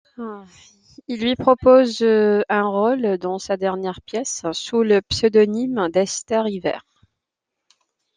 Il lui propose un rôle dans sa dernière pièce, sous le pseudonyme d'Esther Rivers.